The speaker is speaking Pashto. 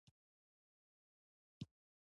د ویښتو تویدو لپاره د پیاز اوبه څه کړم؟